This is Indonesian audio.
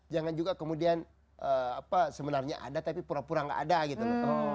jangan juga kemudian sebenarnya ada tapi pura pura nggak ada gitu loh